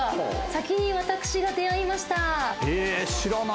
先に私が出会いました。